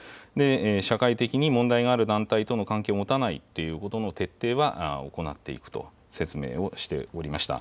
社会的に問題がある団体との関係を持たないっていうことの徹底は行っていくと説明をしておりました。